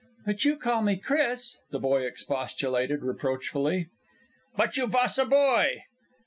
"But you call me 'Chris!'" the boy expostulated, reproachfully. "But you vas a boy."